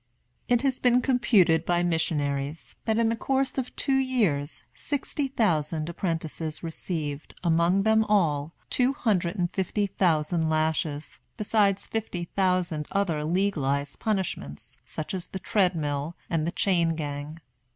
It has been computed by missionaries that, in the course of two years, sixty thousand apprentices received, among them all, two hundred and fifty thousand lashes, besides fifty thousand other legalized punishments, such as the tread mill and the chain gang.